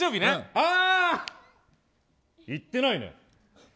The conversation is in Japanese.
ああ行ってないね。